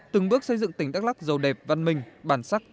từng bước xây dựng tỉnh đắk lắc giàu đẹp văn minh bản sắc